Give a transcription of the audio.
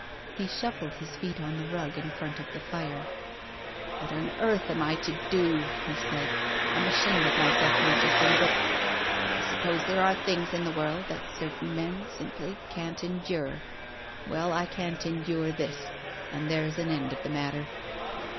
He shuffled his feet on the rug in front of the fire. " What on earth am I to do ?" he said. " I'm ashamed of myself, Murchison, but — but I sup pose there are things in the world that certain men simply can't endure. Well, I can't endure this, and there's an end of the matter."